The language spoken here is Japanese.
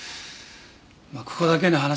まあここだけの話